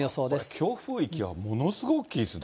強風域がものすごい大きいですね。